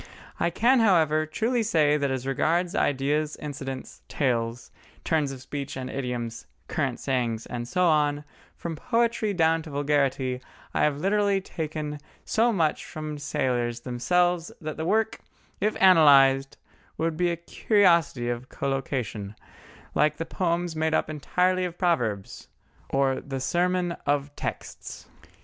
I can, however, truly say that as regards ideas, incidents, tales, turns of speech and idioms, current sayings, and so on, from poetry down to vulgarity, I have literally taken so much from sailors themselves that the work, if analysed, would be a curiosity of collocation, like the poems made up entirely of proverbs, or the Sermon of Texts.